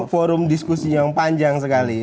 forum diskusi yang panjang sekali